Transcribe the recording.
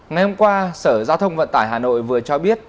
ngày hôm qua sở giao thông vận tải hà nội vừa cho biết